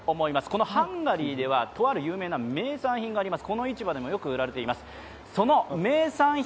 このハンガリーではとある有名な名産品があります。